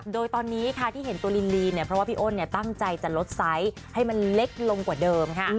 โดยตอนนี้ค่ะที่เห็นตัวลินลีเนี่ยเพราะว่าพี่อ้นตั้งใจจะลดไซส์ให้มันเล็กลงกว่าเดิมค่ะ